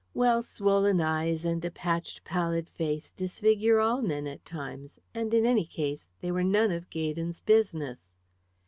Well, swollen eyes and a patched pallid face disfigure all men at times, and in any case they were none of Gaydon's business.